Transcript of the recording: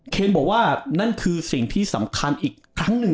เคนบอกว่านั่นคือสิ่งที่สำคัญอีกครั้งหนึ่ง